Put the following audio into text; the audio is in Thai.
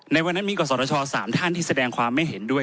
ในวันนั้นมีกศช๓ท่านที่แสดงความไม่เห็นด้วย